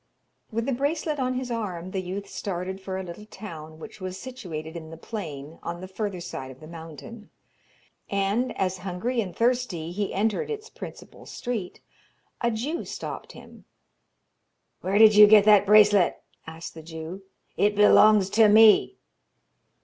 With the bracelet on his arm, the youth started for a little town which was situated in the plain on the further side of the mountain, and as, hungry and thirsty, he entered its principal street, a Jew stopped him. 'Where did you get that bracelet?' asked the Jew. 'It belongs to me.'